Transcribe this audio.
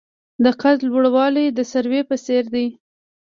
د قد لوړوالی د سروې په څیر دی.